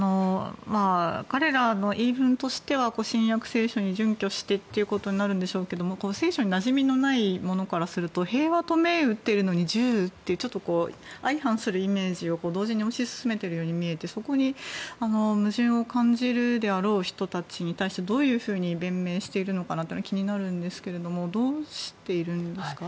彼らの言い分としては新約聖書に準拠してということになるんでしょうけど聖書になじみのないものからすると平和と銘打っているのに銃って相反するイメージを同時に推し進めているように見えてそこに、矛盾を感じるであろう人たちに対してどういうふうに弁明しているのか気になるんですけれどもどうしているんですか？